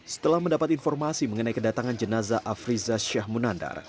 setelah mendapat informasi mengenai kedatangan jenazah afrizah shah munandar